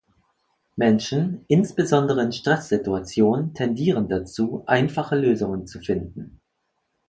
Menschen, insbesondere in Stresssituationen, tendieren dazu, einfache Lösungen zu finden.